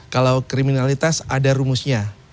kalau kriminalitas ada rumusnya